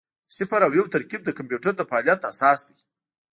د صفر او یو ترکیب د کمپیوټر د فعالیت اساس دی.